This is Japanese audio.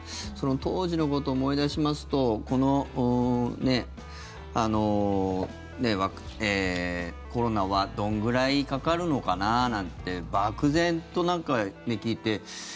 その当時のことを思い出しますとこのコロナはどんぐらいかかるのかななんて漠然と聞いて。